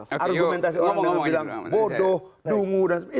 argumentasi orang dengan bilang bodoh dungu dan sebagainya